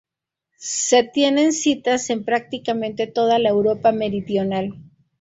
Se tienen citas en prácticamente toda la Europa meridional.